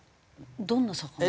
どんな魚を？